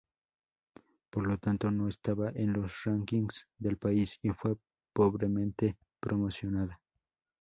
Por lo tanto, no estaba en los rankings del país y fue pobremente promocionada.